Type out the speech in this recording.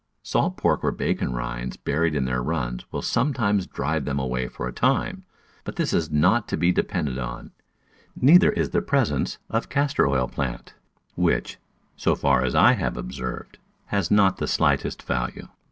Salt pork or bacon rinds buried in their runs will sometimes drive them away for a time, but this is not to be depended on, neither is the presence of Castor oil plant, which, so far as I have observed, has not the slightest value.